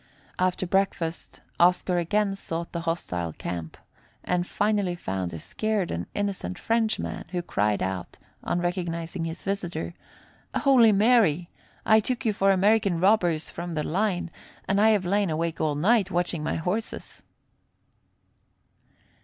After breakfast Oscar again sought the hostile camp, and finally found a scared and innocent Frenchman, who cried out, on recognizing his visitor: "Holy Mary! I took you for American robbers from the line, and I have lain awake all night, watching my horses."